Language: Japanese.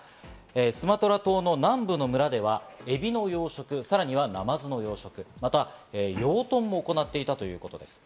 スマトラ島の南部の村ではエビの養殖、さらにはナマズの養殖、また養豚も行っていたということです。